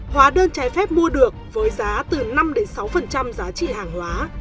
hóa đơn trái phép mua được với giá từ năm sáu giá trị hàng hóa